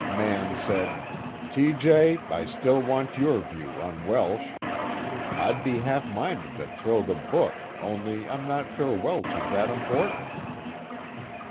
Mann said: "T. J., I still want your view, on Welsh. I'd be half minded to throw the book, only I'm not sure Welsh is that important."